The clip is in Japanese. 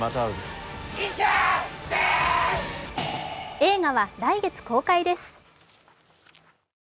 映画は来月公開です。